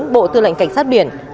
bộ tư lệnh cảnh sát biển